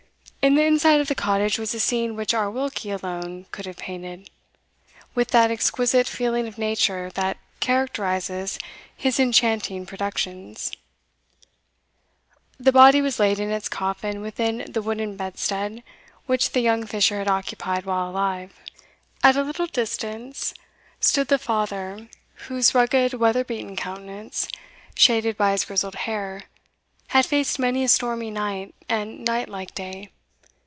In the inside of the cottage was a scene which our Wilkie alone could have painted, with that exquisite feeling of nature that characterises his enchanting productions. The body was laid in its coffin within the wooden bedstead which the young fisher had occupied while alive. At a little distance stood the father, whose rugged weather beaten countenance, shaded by his grizzled hair, had faced many a stormy night and night like day.